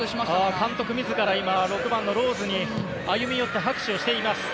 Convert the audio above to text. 監督自ら６番のローズに歩み寄って拍手をしています。